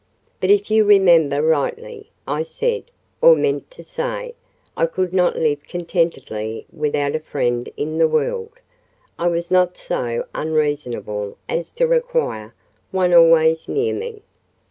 "But if you remember rightly, I said, or meant to say, I could not live contentedly without a friend in the world: I was not so unreasonable as to require one always near me.